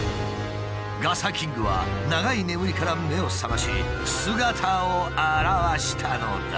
ガサキングは長い眠りから目を覚まし姿を現したのだ！